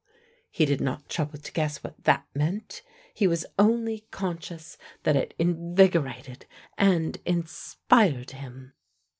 He did not trouble to guess what that meant. He was only conscious that it invigorated and inspired him.